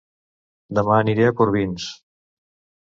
Dema aniré a Corbins